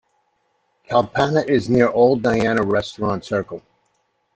Kalpana is near old Diana restaurant circle.